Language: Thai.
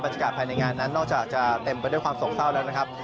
จากภายในงานนั้นนอกจากจะเต็มไปด้วยความโศกเศร้าแล้วนะครับ